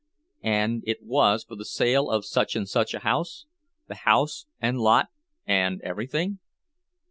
And it was for the sale of such and such a house—the house and lot and everything?